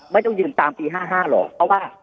ไม่ต้องยืนตามปี๕๕หรอกเพราะว่า